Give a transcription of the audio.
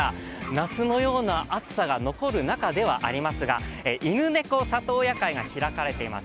夏のような暑さが残る中ではありますが犬猫里親会が開かれています